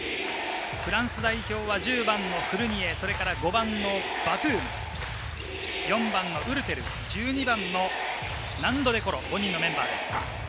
フランス代表は１０番のフルニエ、５番のバトゥーム、４番のウルテル、１２番のナンド・デ・コロ、５人のメンバーです。